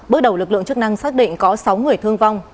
bước đầu lực lượng chức năng xác định có sáu người thương vong